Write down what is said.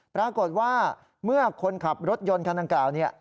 ปรากฏว่าเมื่อคนขับรถยนต์คันดังกล่าวเนี่ย